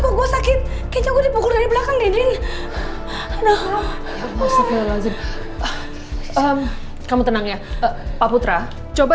aku bisa periksa